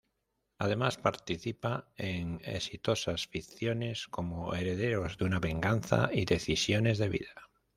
Además participa en exitosas ficciones como "Herederos de una venganza" y "Decisiones de vida".